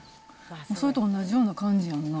それと同じような感じやんな。